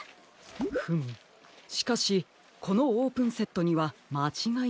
フムしかしこのオープンセットにはまちがいがありますね。